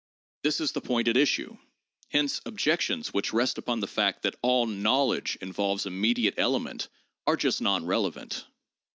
This is the point at issue; hence objections which rest upon the fact that all knowledge involves a mediate element, are just non relevant.